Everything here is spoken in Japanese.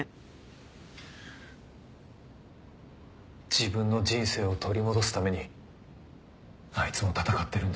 自分の人生を取り戻すためにあいつも戦ってるんです。